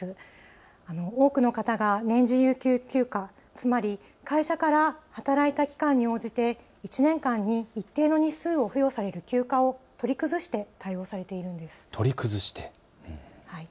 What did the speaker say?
多くの方が年次有給休暇、つまり会社から働いた期間に応じて１年間に一定の日数を付与される休暇を取り崩して対応されているんです。